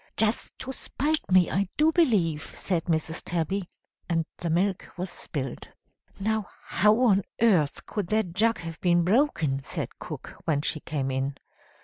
'Just to spite me, I do believe,' said Mrs. Tabby. And the milk was all spilled. "'Now how on earth could that jug have been broken?' said cook, when she came in.